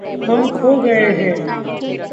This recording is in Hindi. हम खो गये हैं